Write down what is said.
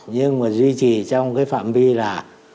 nhưng mà duy trì trong cái phạm vi là